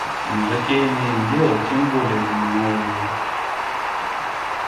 Но затеянное им дело тем более занимало его.